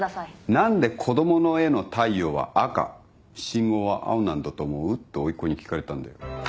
「何で子供の絵の太陽は赤信号は青なんだと思う？」っておいっ子に聞かれたんだよ。